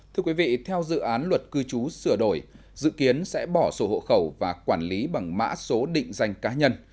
thưa quý vị theo dự án luật cư trú sửa đổi dự kiến sẽ bỏ sổ hộ khẩu và quản lý bằng mã số định danh cá nhân